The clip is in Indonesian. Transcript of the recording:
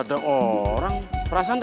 tak lupa gitu